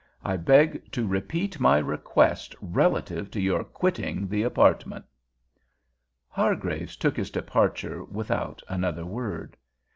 I beg to repeat my request relative to your quitting the apartment." Hargraves took his departure without another word.